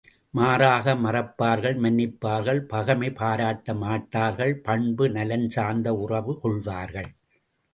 மாறாக மறப்பார்கள் மன்னிப்பார்கள் பகைமை பாராட்ட மாட்டார்கள் பண்பு நலஞ்சார்ந்து உறவு கொள்வார்கள்.